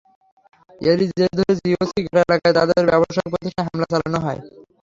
এরই জের ধরে জিওসি ঘাট এলাকার তাঁদের ব্যবসায়িক প্রতিষ্ঠানে হামলা চালানো হয়।